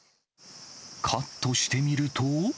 カットしてみると。